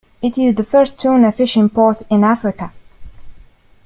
It is the first tuna fishing port in Africa.